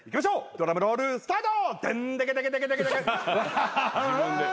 ドラムロールスタート！